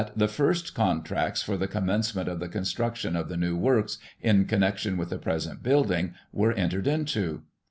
[1837 first contracts for the commencement of the construction of the new works, in connection with the present building, were entered into.